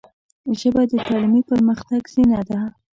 ژبه د تعلیمي پرمختګ زینه ده